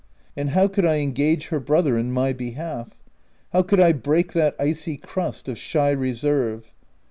And how could I engage her brother in my behalf ? how could I break that icy crust of shy reserve